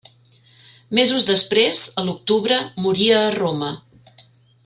Mesos després, a l'octubre, moria a Roma.